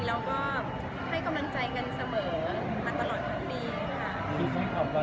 แล้วก็ให้กำลังใจกันเสมอมาตลอดทั้งปีค่ะ